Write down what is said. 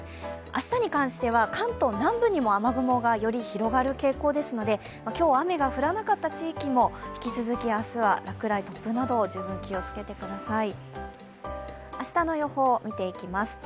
明日に関しては関東南部にも雨雲がより広がる傾向ですので今日、雨が降らなかった地域も引き続き明日は落雷、突風など十分に気をつけてください。